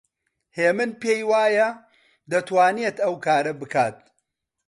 هێمن پێی وایە دەتوانێت ئەو کارە بکات.